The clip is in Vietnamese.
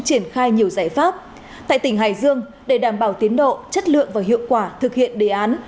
triển khai nhiều giải pháp tại tỉnh hải dương để đảm bảo tiến độ chất lượng và hiệu quả thực hiện đề án